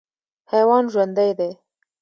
حیوان ژوندی دی.